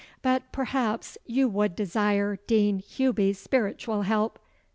But, perhaps, you would desire Dean Hewby's spiritual help?